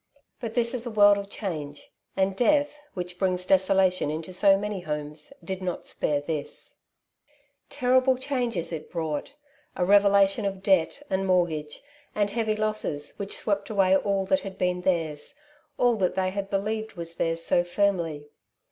But this is a world of change, and death, which brings desolation into so ma.ny homes, did not spare this« 6 " Two Sides to every Question" Terrible changes it brought — a revelation of debt, and mortgage, and heavy losses, which swept away all that had been theirs — all that they had believed was theirs so firmly.